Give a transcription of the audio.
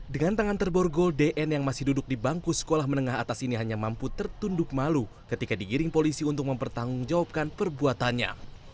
dengan tangan terborgol dn yang masih duduk di bangku sekolah menengah atas ini hanya mampu tertunduk malu ketika digiring polisi untuk mempertanggungjawabkan perbuatannya